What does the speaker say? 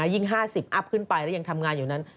ยิ่ง๕๐อัพขึ้นไปแล้วยังทำงานอยู่นั้น